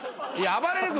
あばれる君。